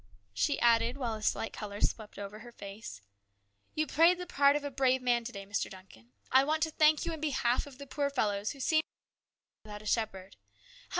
She added while. a slight colour swept over her pale face :" You played the part of a brave man to day, Mr. Duncan. I want to thank you in behalf of the poor fellows who seemed to me like sheep without a shepherd.